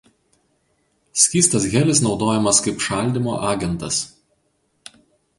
Skystas helis naudojamas kaip šaldymo agentas.